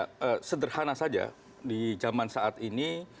ya sederhana saja di zaman saat ini